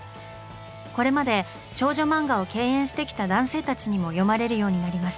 これまで少女漫画を敬遠してきた男性たちにも読まれるようになります。